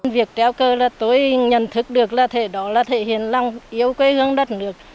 việc treo cờ là tôi nhận thức được là thế đó là thể hiện lòng yêu quê hương đất nước